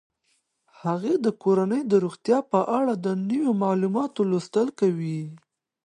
هغې د کورنۍ د روغتیا په اړه د نویو معلوماتو لوستل کوي.